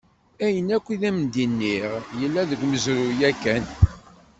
Ayen akk i d-am-nniɣ yella deg umezruy yakkan.